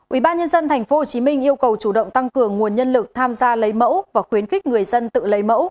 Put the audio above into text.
ubnd tp hcm yêu cầu chủ động tăng cường nguồn nhân lực tham gia lấy mẫu và khuyến khích người dân tự lấy mẫu